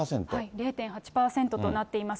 ０．８％となっています。